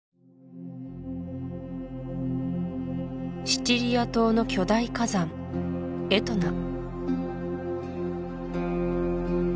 シチリア島の巨大火山エトナ